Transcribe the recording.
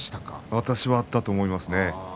私はあったと思いますね。